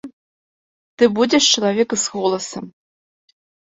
Ты будзеш чалавек з голасам.